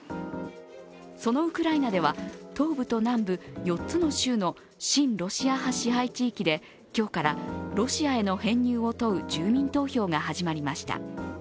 そのウクライナでは東部と南部４つの州の親ロシア派支配地域で今日からロシアへの編入を問う住民投票が始まりました。